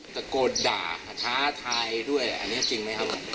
ตะโกนด่าท้าทายด้วยอันนี้จริงไหมครับ